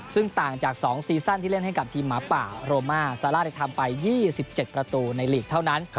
ซึ่งต่างจาก๒ซีซั่นที่เล่นให้กับทีมหมาป่าโรมาซาร่าได้ทำไป๒๗ประตูในลีกเท่านั้น